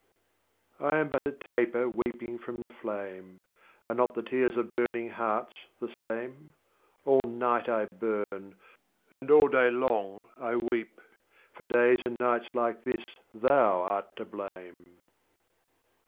49. I am but a Taper weeping from the Flame : Are not the Tears of Burning Hearts the same ? All night 1 burn, and all day long I weep, For Days and Nights like this thou art to blame